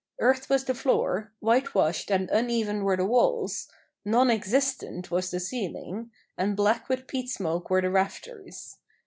Earth was the floor, white washed and uneven were the walls, non existent was the ceiling, and black with peat smoke were the rafters.